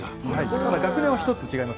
学年は１つ違います。